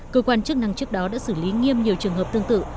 cơ quan chức năng trước đó đã xử lý nghiêm nhiều trường hợp tương tự